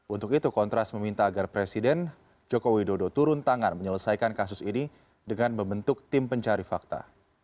untuk itu kontras meminta agar presiden joko widodo turun tangan menyelesaikan kasus ini dengan membentuk tim pencari fakta